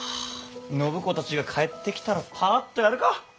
暢子たちが帰ってきたらパーッとやるか！